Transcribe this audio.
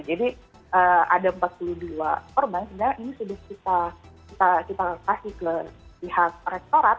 jadi ada empat puluh dua korban sebenarnya ini sudah kita kasih ke pihak restoran